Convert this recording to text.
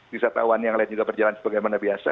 wisatawan yang lain juga berjalan sebagaimana biasa